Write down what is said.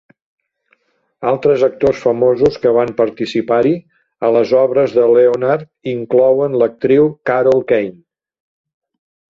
Altres actors famosos que van participar-hi a les obres de Leonard inclouen l"actriu Carol Kane.